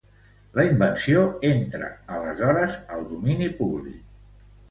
La invenció entra aleshores al domini públic.